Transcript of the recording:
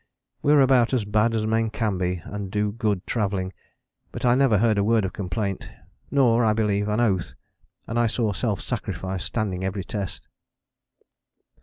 We were about as bad as men can be and do good travelling: but I never heard a word of complaint, nor, I believe, an oath, and I saw self sacrifice standing every test.